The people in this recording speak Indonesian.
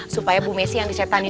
supaya bu messi yang disetani